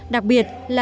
đặc biệt là